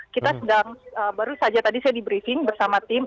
kita sedang baru saja tadi saya di briefing bersama tim